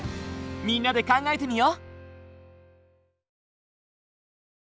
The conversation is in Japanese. みんなで考えてみよう！